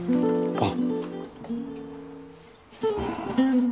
あっ。